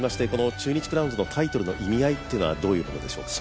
中日クラウンズのタイトルの意味合いというのはどういうものでしょうか。